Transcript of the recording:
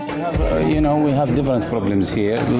kita punya masalah yang berbeda disini